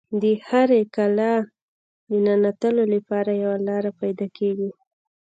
د هرې کلا د ننوتلو لپاره یوه لاره پیدا کیږي